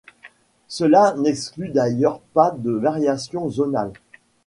Cela n'exclut d'ailleurs pas des variations zonales.